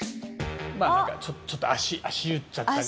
まあ何かちょっと足湯っちゃったり。